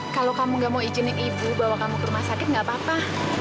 kalau kamu gak mau izinin ibu bawa kamu ke rumah sakit nggak apa apa